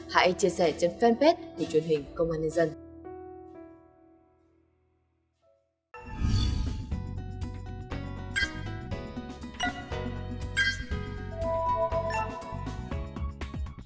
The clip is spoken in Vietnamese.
hãy chia sẻ trên fanpage của truyền hình công an nhân dân